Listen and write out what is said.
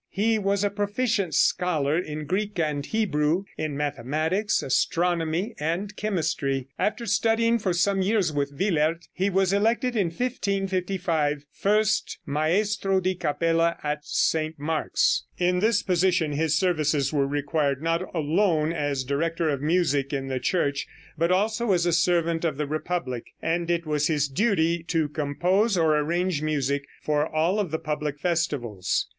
He was a proficient scholar in Greek and Hebrew, in mathematics, astronomy and chemistry. After studying for some years with Willaert he was elected in 1555 first Maestro di Capella at St. Mark's. In this position his services were required not alone as director of music in the church, but also as a servant of the republic, and it was his duty to compose or arrange music for all of the public festivals.